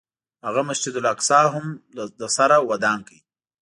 هغه مسجد الاقصی هم له سره ودان کړ.